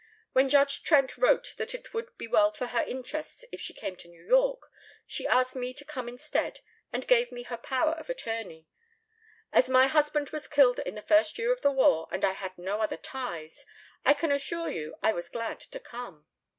When Judge Trent wrote that it would be well for her interests if she came to New York she asked me to come instead and gave me her power of attorney. As my husband was killed in the first year of the war and I had no other ties, I can assure you I was glad to come."